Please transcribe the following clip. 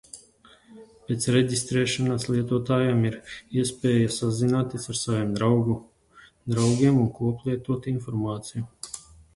Pēc reģistrēšanās lietotājam ir iespēja sazināties ar saviem draugiem un koplietot informāciju.